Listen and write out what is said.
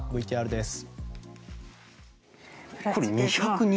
ＶＴＲです。